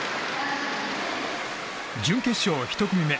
準決勝１組目。